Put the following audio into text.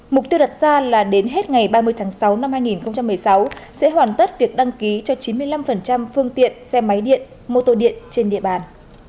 mục tiêu đặt ra là đến hết ngày ba mươi tháng sáu năm hai nghìn một mươi sáu sẽ hoàn tất việc đăng ký cho chín mươi năm phương tiện xe máy điện mô tô điện trên địa bàn